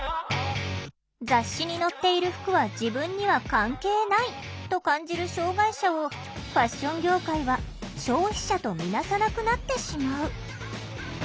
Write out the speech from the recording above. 雑誌に載っている服は自分には関係ないと感じる障害者をファッション業界は消費者と見なさなくなってしまう。